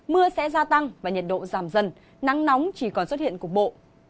mưa sẽ gia tăng và nhiệt độ giảm dần nắng nóng chỉ còn xuất hiện cục bộ